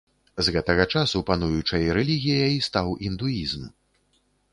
З гэтага часу пануючай рэлігіяй стаў індуізм.